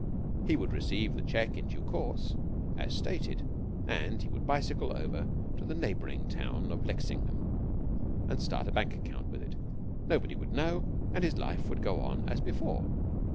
He would receive the check in due course, as stated, and he would bicycle over to the neighboring town of Lexingham and start a bank account with it. Nobody would know, and life would go on as before.